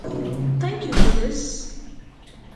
Thank you for this.